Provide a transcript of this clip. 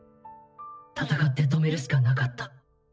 戦って止めるしかなかった。